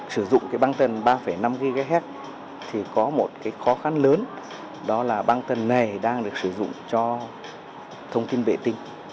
sử dụng băng tần ba năm ghz thì có một khó khăn lớn đó là băng tần này đang được sử dụng cho thông tin vệ tinh